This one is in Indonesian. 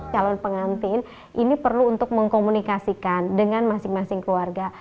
calon pengantin ini perlu untuk mengkomunikasikan dengan masing masing keluarga